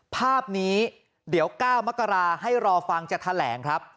ภาพนี้เดี๋ยว๙มกราให้รอฟังจะแถลงครับ